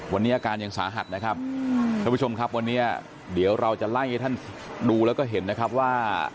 วันนี้อาการยังสาหัสนะครับท่านผู้ชมครับวันนี้เดี๋ยวเราจะไล่ให้ท่านดูแล้วก็เห็นนะครับว่า